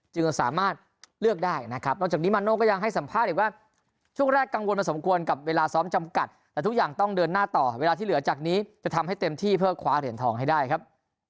จึงจะสามารถเลือกได้นะครับ